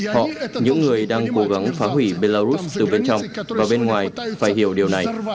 họ những người đang cố gắng phá hủy belarus từ bên trong và bên ngoài phải hiểu điều này